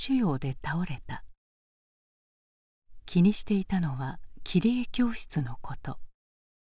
気にしていたのは切り絵教室のこと。